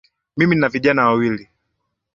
Mimi nina vijana wawili